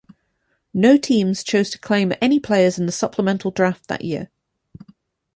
No teams chose to claim any players in the supplemental draft that year.